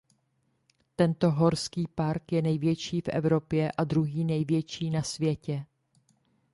Tento horský park je největší v Evropě a druhý největší na světě.